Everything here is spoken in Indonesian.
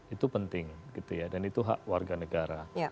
itu penting gitu ya dan itu hak warga negara